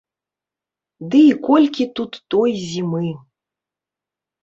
Ды і колькі тут той зімы.